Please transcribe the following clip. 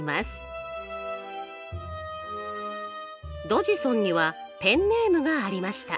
ドジソンにはペンネームがありました。